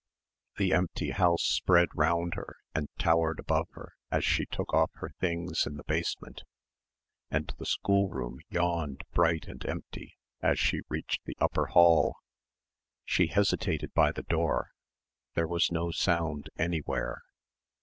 The empty house spread round her and towered above her as she took off her things in the basement and the schoolroom yawned bright and empty as she reached the upper hall. She hesitated by the door. There was no sound anywhere....